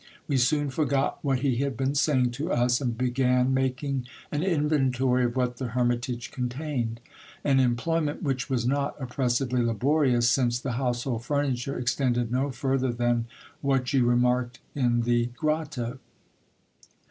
We soon forgot what he had been saying to us, and began making an inventory of what the hermitage contained ; an employment which was not oppressively laborious, since the household furniture extended no further than what you remarked in the grotto.